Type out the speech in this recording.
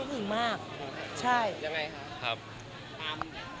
ถึงมากใช่